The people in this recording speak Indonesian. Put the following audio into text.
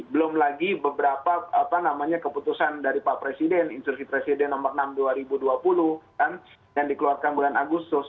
belum lagi beberapa keputusan dari pak presiden instruksi presiden nomor enam dua ribu dua puluh yang dikeluarkan bulan agustus